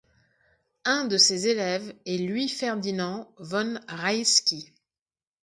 Un de ses élèves est Louis-Ferdinand von Rayski.